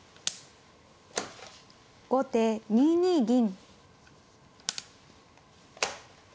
後手６二銀。